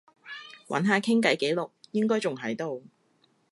揾下傾偈記錄，應該仲喺度